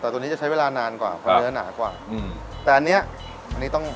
แต่ตัวนี้จะใช้เวลานานกว่าเพราะเนื้อหนากว่าอืมแต่อันเนี้ยอันนี้ต้อง